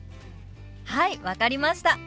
はい分かりました。